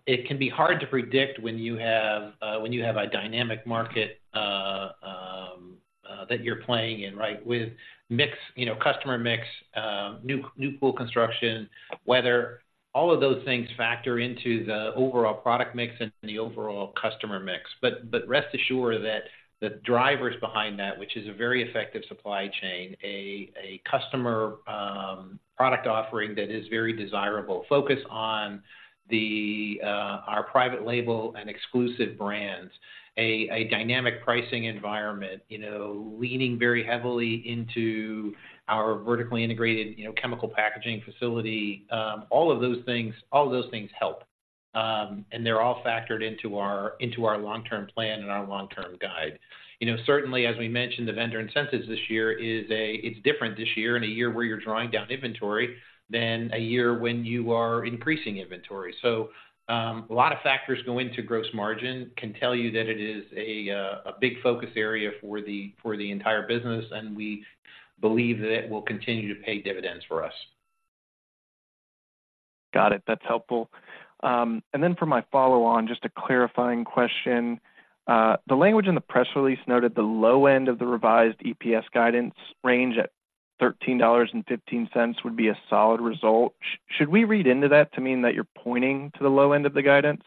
S3: It can be hard to predict when you have a dynamic market that you're playing in, right? With mix, you know, customer mix, new pool construction, weather, all of those things factor into the overall product mix and the overall customer mix. But rest assured that the drivers behind that, which is a very effective supply chain, a customer product offering that is very desirable, focus on our private label and exclusive brands, a dynamic pricing environment, you know, leaning very heavily into our vertically integrated chemical packaging facility. All of those things help, and they're all factored into our long-term plan and our long-term guide. You know, certainly, as we mentioned, the vendor incentives this year is a it's different this year and a year where you're drawing down inventory than a year when you are increasing inventory. So, a lot of factors go into Gross Margin. I can tell you that it is a big focus area for the entire business, and we believe that it will continue to pay dividends for us.
S8: Got it. That's helpful. And then for my follow-on, just a clarifying question. The language in the press release noted the low end of the revised EPS guidance range at $13.15 would be a solid result. Should we read into that to mean that you're pointing to the low end of the guidance?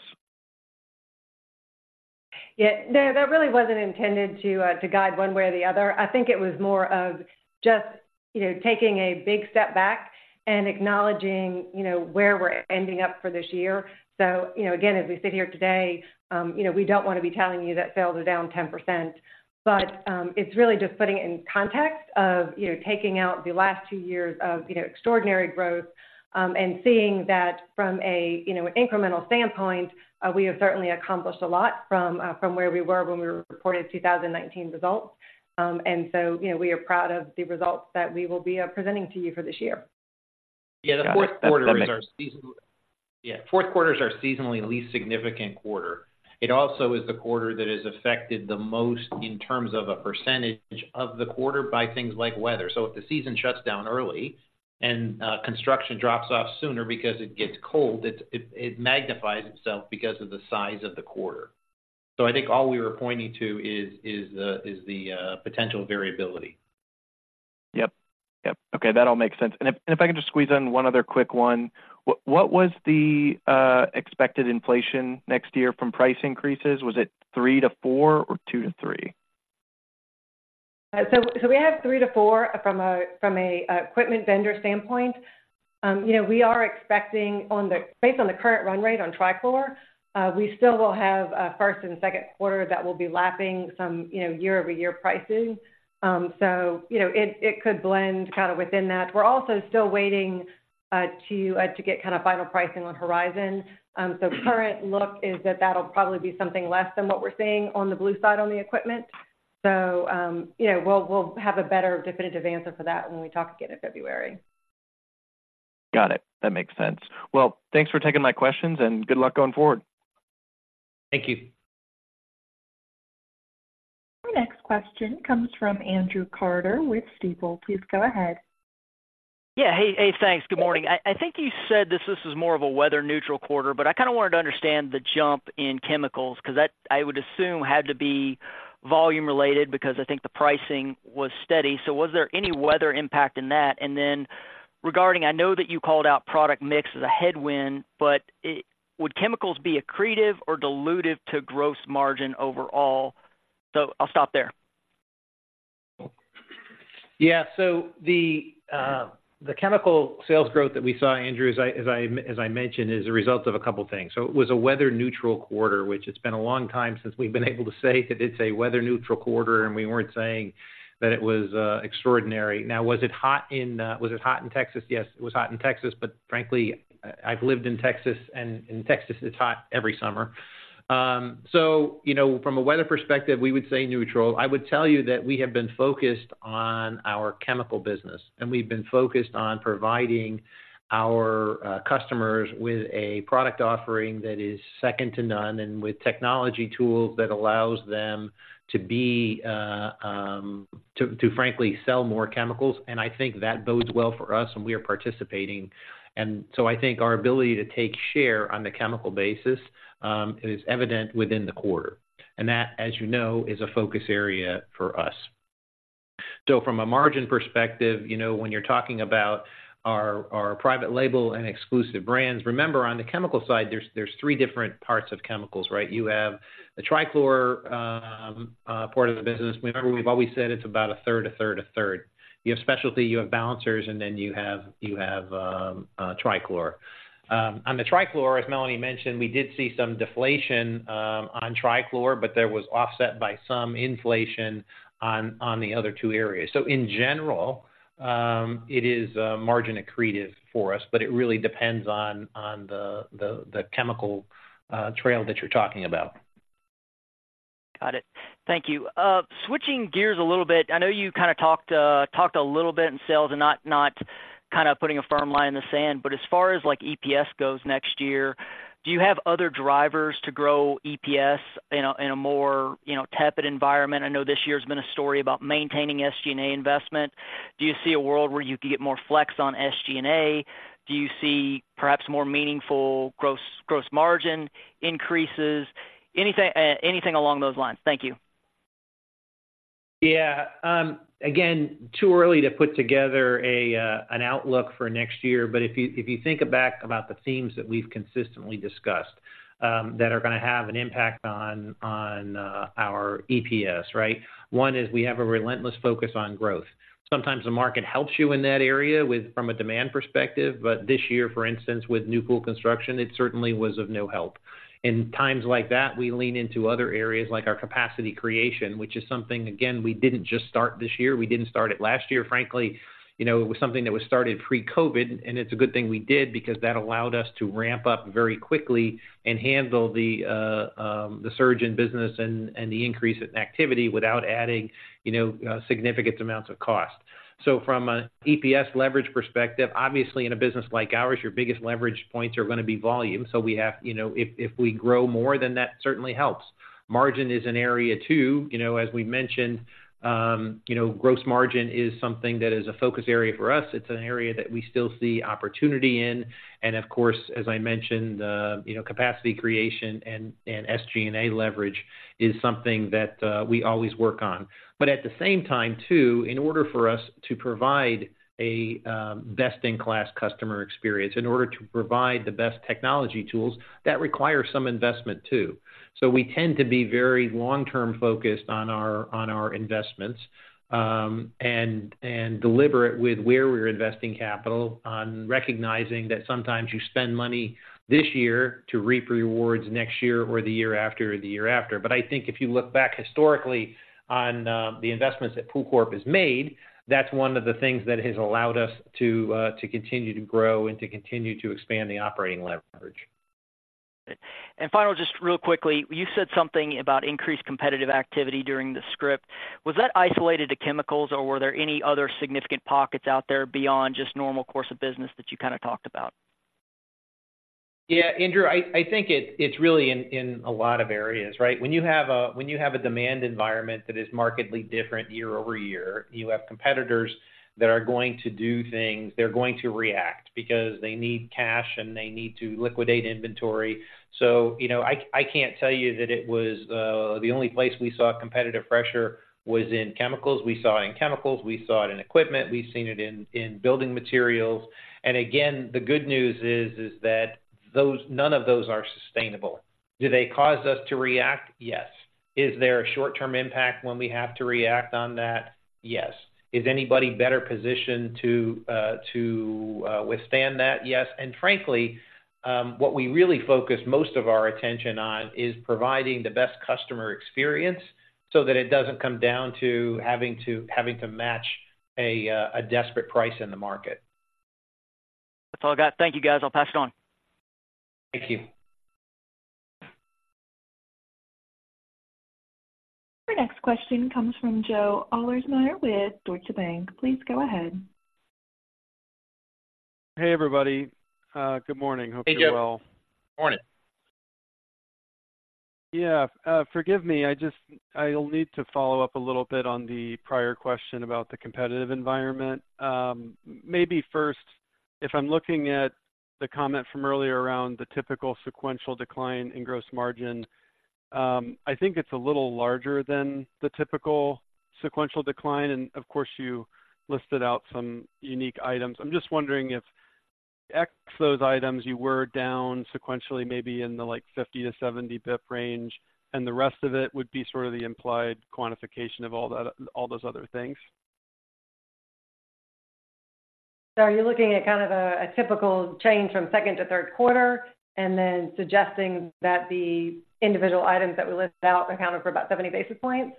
S2: Yeah. No, that really wasn't intended to, to guide one way or the other. I think it was more of just, you know, taking a big step back and acknowledging, you know, where we're ending up for this year. So, you know, again, as we sit here today, you know, we don't wanna be telling you that sales are down 10%, but, it's really just putting it in context of, you know, taking out the last two years of, you know, extraordinary growth, and seeing that from a, you know, incremental standpoint, we have certainly accomplished a lot from, from where we were when we reported 2019 results. And so, you know, we are proud of the results that we will be, presenting to you for this year.
S3: Yeah, the fourth quarter is our season
S8: Got it. That makes
S3: Yeah, fourth quarter is our seasonally least significant quarter. It also is the quarter that is affected the most in terms of a percentage of the quarter by things like weather. So if the season shuts down early and construction drops off sooner because it gets cold, it magnifies itself because of the size of the quarter. So I think all we were pointing to is the potential variability.
S8: Yep. Yep. Okay, that all makes sense. And if I can just squeeze in one other quick one. What was the expected inflation next year from price increases? Was it three to four or two to three?
S2: So, so we have three to four from a equipment vendor standpoint. You know, we are expecting on the based on the current run rate on Trichlor, we still will have a first and second quarter that will be lapping some, you know, year-over-year prices. So you know, it could blend kind of within that. We're also still waiting to get kind of final pricing on Horizon. So current look is that that'll probably be something less than what we're seeing on the blue side on the equipment. So, you know, we'll have a better definitive answer for that when we talk again in February.
S8: Got it. That makes sense. Well, thanks for taking my questions, and good luck going forward.
S3: Thank you.
S1: Our next question comes from Andrew Carter with Stifel. Please go ahead.
S10: Yeah. Hey, hey, thanks. Good morning. I think you said this was more of a weather neutral quarter, but I kind of wanted to understand the jump in chemicals, 'cause that, I would assume, had to be volume related because I think the pricing was steady. So was there any weather impact in that? And then regarding, I know that you called out product mix as a headwind, but it would chemicals be accretive or dilutive to gross margin overall? So I'll stop there.
S3: Yeah. So the chemical sales growth that we saw, Andrew, as I mentioned, is a result of a couple things. So it was a weather neutral quarter, which it's been a long time since we've been able to say that it's a weather neutral quarter, and we weren't saying that it was extraordinary. Now, was it hot in Texas? Yes, it was hot in Texas, but frankly, I've lived in Texas, and in Texas, it's hot every summer. So you know, from a weather perspective, we would say neutral. I would tell you that we have been focused on our chemical business, and we've been focused on providing our customers with a product offering that is second to none, and with technology tools that allows them to be to frankly sell more chemicals. And I think that bodes well for us, and we are participating. And so I think our ability to take share on the chemical basis is evident within the quarter. And that, as you know, is a focus area for us. So from a margin perspective, you know, when you're talking about our private label and exclusive brands, remember, on the chemical side, there's three different parts of chemicals, right? You have the trichlor part of the business. Remember, we've always said it's about a third, a third, a third. You have specialty, you have balancers, and then you have Trichlor. On the Trichlor, as Melanie mentioned, we did see some deflation on Trichlor, but that was offset by some inflation on the other two areas. So in general, it is margin accretive for us, but it really depends on the chemical trail that you're talking about.
S10: Got it. Thank you. Switching gears a little bit, I know you kind of talked, talked a little bit in sales and not, not kind of putting a firm line in the sand, but as far as, like, EPS goes next year. Do you have other drivers to grow EPS in a, in a more, you know, tepid environment? I know this year's been a story about maintaining SG&A investment. Do you see a world where you could get more flex on SG&A? Do you see perhaps more meaningful gross, gross margin increases? Anything, anything along those lines? Thank you.
S3: Yeah. Again, too early to put together a, an outlook for next year, but if you, if you think back about the themes that we've consistently discussed, that are gonna have an impact on our EPS, right? One is we have a relentless focus on growth. Sometimes the market helps you in that area with, from a demand perspective, but this year, for instance, with new pool construction, it certainly was of no help. In times like that, we lean into other areas like our capacity creation, which is something, again, we didn't just start this year, we didn't start it last year. Frankly, you know, it was something that was started pre-COVID, and it's a good thing we did because that allowed us to ramp up very quickly and handle the, the surge in business and, and the increase in activity without adding, you know, significant amounts of cost. So from a EPS leverage perspective, obviously in a business like ours, your biggest leverage points are gonna be volume. So we have you know, if, if we grow more, then that certainly helps. Margin is an area, too. You know, as we mentioned, you know, gross margin is something that is a focus area for us. It's an area that we still see opportunity in, and of course, as I mentioned, you know, capacity creation and, and SG&A leverage is something that, we always work on. But at the same time, too, in order for us to provide a best-in-class customer experience, in order to provide the best technology tools, that requires some investment, too. So we tend to be very long-term focused on our investments, and deliberate with where we're investing capital, on recognizing that sometimes you spend money this year to reap rewards next year or the year after or the year after. But I think if you look back historically on the investments that PoolCorp has made, that's one of the things that has allowed us to continue to grow and to continue to expand the operating leverage.
S10: Finally, just real quickly, you said something about increased competitive activity during the script. Was that isolated to chemicals, or were there any other significant pockets out there beyond just normal course of business that you kind of talked about?
S3: Yeah, Andrew, I think it's really in a lot of areas, right? When you have a demand environment that is markedly different year-over-year, you have competitors that are going to do things. They're going to react because they need cash, and they need to liquidate inventory. So, you know, I can't tell you that it was the only place we saw competitive pressure was in chemicals. We saw it in chemicals, we saw it in equipment, we've seen it in building materials. And again, the good news is that none of those are sustainable. Do they cause us to react? Yes. Is there a short-term impact when we have to react on that? Yes. Is anybody better positioned to withstand that? Yes. And frankly, what we really focus most of our attention on is providing the best customer experience so that it doesn't come down to having to match a desperate price in the market.
S10: That's all I got. Thank you, guys. I'll pass it on.
S3: Thank you.
S1: Your next question comes from Joe Ahlersmeyer with Deutsche Bank. Please go ahead.
S11: Hey, everybody. Good morning.
S3: Hey, Joe.
S11: Hope you're well.
S3: Morning.
S11: Yeah, forgive me. I just I'll need to follow up a little bit on the prior question about the competitive environment. Maybe first, if I'm looking at the comment from earlier around the typical sequential decline in Gross Margin, I think it's a little larger than the typical sequential decline. And of course, you listed out some unique items. I'm just wondering if, ex those items, you were down sequentially, maybe in the, like, 50-70 basis points range, and the rest of it would be sort of the implied quantification of all that, all those other things.
S2: So are you looking at kind of a typical change from second to third quarter and then suggesting that the individual items that we listed out accounted for about 70 basis points?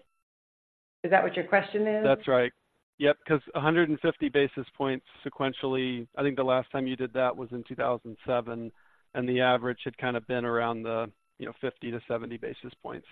S2: Is that what your question is?
S11: That's right. Yep, because 150 basis points sequentially, I think the last time you did that was in 2007, and the average had kind of been around the, you know, 50-70 basis points.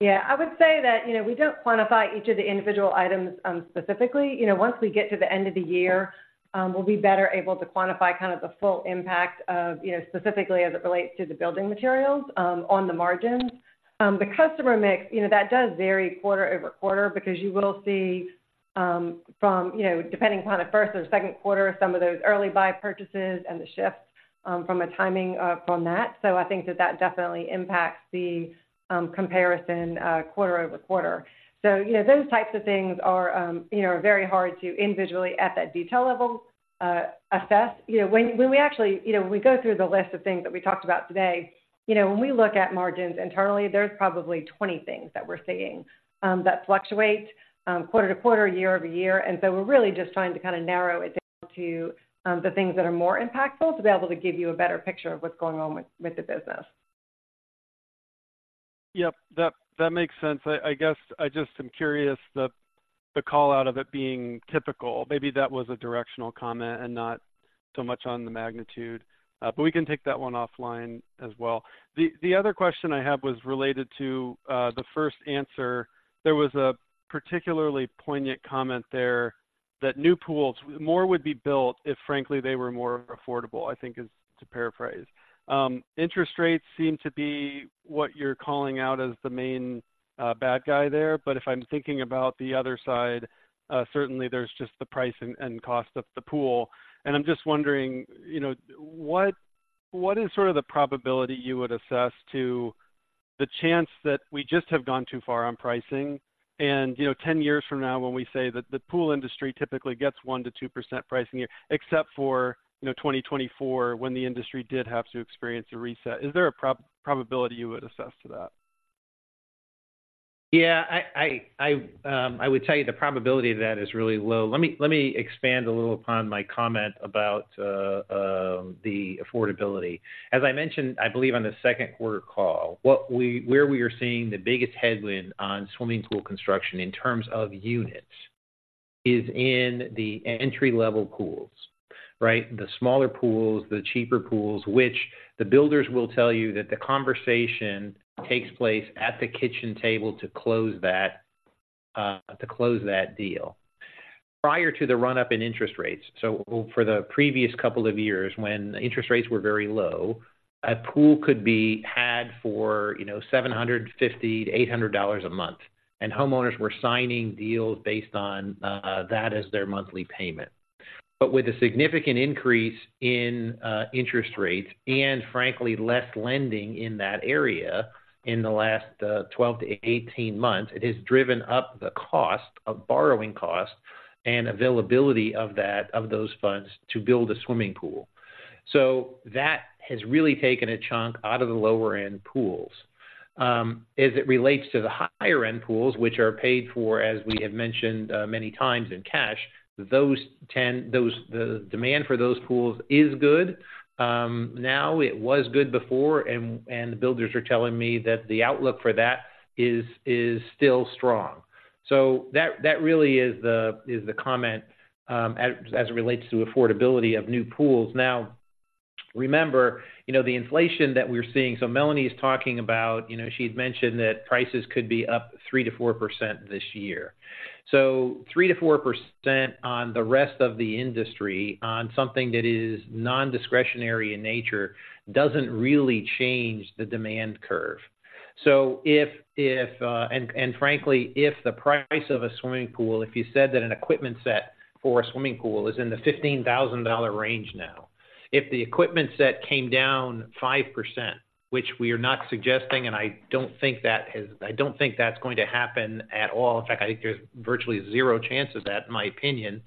S2: Yeah, I would say that, you know, we don't quantify each of the individual items, specifically. You know, once we get to the end of the year, we'll be better able to quantify kind of the full impact of, you know, specifically as it relates to the building materials, on the margins. The customer mix, you know, that does vary quarter-over-quarter because you will see, from, you know, depending upon the first or second quarter, some of those early buy purchases and the shifts, from a timing, from that. So I think that that definitely impacts the comparison, quarter-over-quarter. So, you know, those types of things are, you know, very hard to individually, at that detail level, assess. You know, when, when we actually. You know, when we go through the list of things that we talked about today, you know, when we look at margins internally, there's probably 20 things that we're seeing that fluctuate quarter-to-quarter, year-over-year. So we're really just trying to kind of narrow it down to the things that are more impactful, to be able to give you a better picture of what's going on with, with the business.
S11: Yep, that makes sense. I guess I just am curious, the call out of it being typical. Maybe that was a directional comment and not so much on the magnitude, but we can take that one offline as well. The other question I had was related to the first answer. There was a particularly poignant comment there that new pools, more would be built if frankly, they were more affordable, I think is to paraphrase. Interest rates seem to be what you're calling out as the main bad guy there. ] But if I'm thinking about the other side, certainly there's just the price and cost of the pool. And I'm just wondering, you know, what is sort of the probability you would assess to the chance that we just have gone too far on pricing? You know, 10 years from now, when we say that the pool industry typically gets 1%-2% pricing, except for, you know, 2024, when the industry did have to experience a reset, is there a probability you would assess to that?
S3: Yeah, I would tell you the probability of that is really low. Let me expand a little upon my comment about the affordability. As I mentioned, I believe on the second quarter call, what we where we are seeing the biggest headwind on swimming pool construction in terms of units, is in the entry-level pools, right? The smaller pools, the cheaper pools, which the builders will tell you that the conversation takes place at the kitchen table to close that deal. Prior to the run-up in interest rates, so for the previous couple of years when interest rates were very low, a pool could be had for, you know, $750-$800 a month, and homeowners were signing deals based on that as their monthly payment. But with a significant increase in interest rates and frankly, less lending in that area in the last 12-18 months, it has driven up the cost of borrowing costs and availability of that, of those funds to build a swimming pool. So that has really taken a chunk out of the lower-end pools. As it relates to the higher-end pools, which are paid for, as we have mentioned, many times in cash, those, the demand for those pools is good now. It was good before, and the builders are telling me that the outlook for that is still strong. So that really is the comment as it relates to affordability of new pools. Now, remember, you know, the inflation that we're seeing, so Melanie is talking about, you know, she'd mentioned that prices could be up 3%-4% this year. So 3%-4% on the rest of the industry on something that is nondiscretionary in nature, doesn't really change the demand curve. So if, if, and, and frankly, if the price of a swimming pool, if you said that an equipment set for a swimming pool is in the $15,000 range now, if the equipment set came down 5%, which we are not suggesting, and I don't think that is. I don't think that's going to happen at all. In fact, I think there's virtually zero chance of that, in my opinion.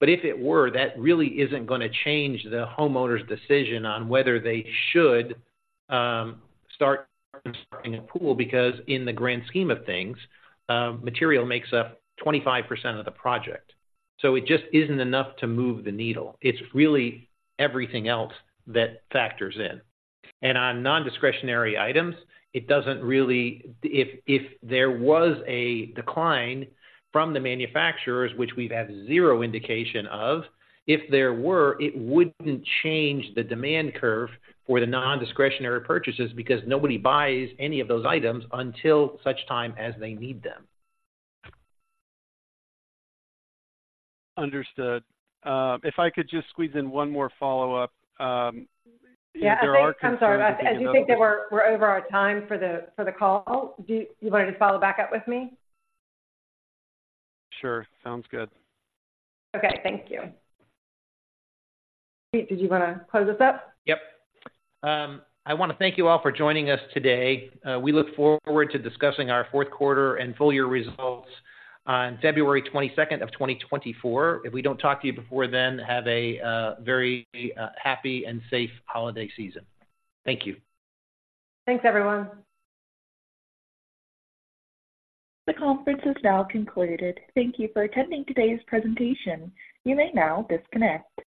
S3: But if it were, that really isn't going to change the homeowner's decision on whether they should start installing a pool, because in the grand scheme of things, material makes up 25% of the project, so it just isn't enough to move the needle. It's really everything else that factors in. On nondiscretionary items, it doesn't really If there was a decline from the manufacturers, which we've had zero indication of, if there were, it wouldn't change the demand curve for the nondiscretionary purchases because nobody buys any of those items until such time as they need them.
S11: Understood. If I could just squeeze in one more follow-up, if there are-
S2: Yeah, I think. I'm sorry. I think that we're over our time for the call. Do you want to just follow back up with me?
S11: Sure. Sounds good.
S2: Okay. Thank you. Peter, did you want to close this up?
S3: Yep. I want to thank you all for joining us today. We look forward to discussing our fourth quarter and full year results on 22 February 2024. If we don't talk to you before then, have a very happy and safe holiday season. Thank you.
S2: Thanks, everyone.
S1: The conference is now concluded. Thank you for attending today's presentation. You may now disconnect.